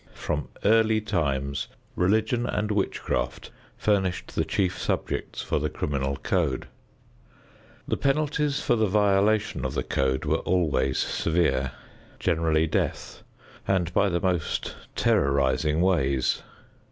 From early times religion and witchcraft furnished the chief subjects for the criminal code. The penalties for the violation of the code were always severe, generally death, and by the most terrorizing ways.